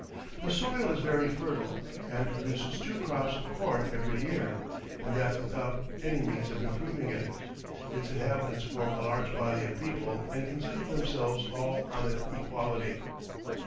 The soil is very fertile, and produces two crops of corn every year, and that without any means of improving it. Its inhabitants form a large body of people, and consider themselves all on an equality.